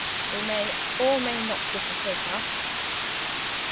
We may, or may not, differ so far.